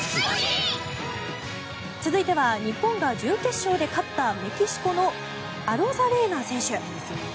続いては日本が準決勝で勝ったメキシコのアロザレーナ選手。